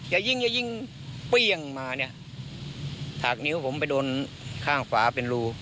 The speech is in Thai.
อย่ายิงอย่ายิงเปรี้ยงมาเนี่ยถากนิ้วผมไปโดนข้างขวาเป็นรู